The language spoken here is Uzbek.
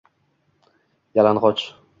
yalangoch.